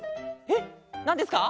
えっなんですか？